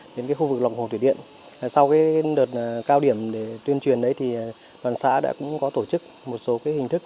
đến khu vực lòng hồ thủy điện sau đợt cao điểm tuyên truyền đoàn xã đã tổ chức một số hình thức